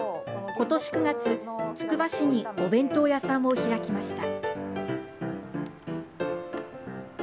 今年９月、つくば市にお弁当屋さんを開きました。